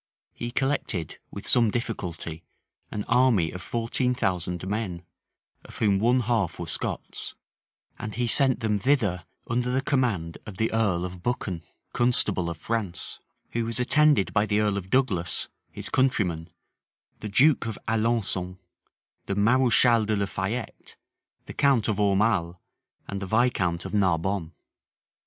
He collected, with some difficulty, an army of fourteen thousand men, of whom one half were Scots; and he sent them thither under the command of the earl of Buchan, constable of France; who was attended by the earl of Douglas, his countryman, the duke of Alençon, the mareschal de la Fayette, the count of Aumale, and the viscount of Narbonne.